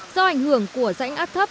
do ảnh hưởng của rãnh áp thấp